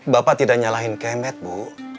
bapak tidak nyalahin kemet bu